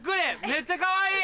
めっちゃかわいい！